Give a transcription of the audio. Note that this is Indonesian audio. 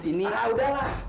ini udah lah